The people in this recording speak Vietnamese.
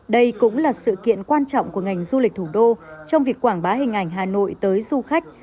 đây cũng là sự kiện quan trọng của ngành du lịch thủ đô trong việc quảng bá hình ảnh hà nội tới du khách